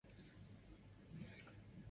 如猛兽般疾驶而来